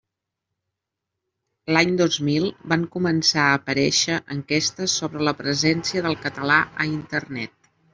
L'any dos mi van començar a aparèixer enquestes sobre la presència del català a Internet.